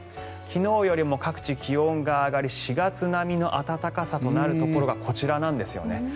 昨日よりも各地、気温が上がり４月並みの暖かさとなるところがこちらなんですよね。